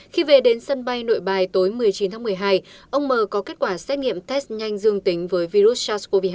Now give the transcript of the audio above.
khi về đến sân bay nội bài tối một mươi chín tháng một mươi hai ông m có kết quả xét nghiệm test nhanh dương tính